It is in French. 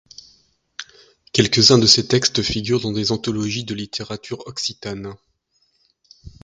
Quelques-uns de ses textes figurent dans des anthologies de littérature ocitane.